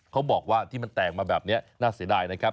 เขาบอกว่าที่มันแตกมาแบบนี้น่าเสียดายนะครับ